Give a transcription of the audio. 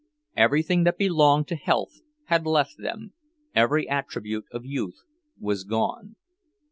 Everything that belonged to health had left them, every attribute of youth was gone.